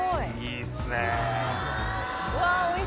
いいっすねぇ。